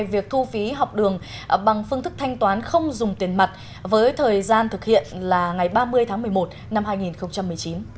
việc thu phí học đường bằng phương thức thanh toán không dùng tiền mặt với thời gian thực hiện là ngày ba mươi tháng một mươi một năm hai nghìn một mươi chín